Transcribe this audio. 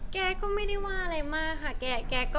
แกก็ไม่ได้ว่าอะไรมากค่ะ